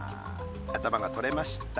頭が取れました。